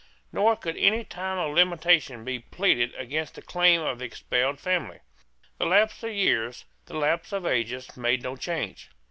Nor could any time of limitation be pleaded against the claim of the expelled family. The lapse of years, the lapse of ages, made no change.